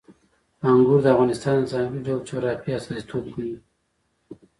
انګور د افغانستان د ځانګړي ډول جغرافیې استازیتوب کوي.